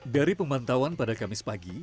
dari pemantauan pada kamis pagi